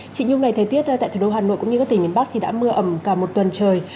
chị nhung này thời tiết tại thủ đô hà nội cũng như các tỉnh miền bắc thì đã mưa ẩm cả một tuần trời